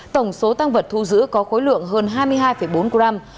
tổng số tăng vật thu giữ có khối lượng hơn hai mươi hai bốn gram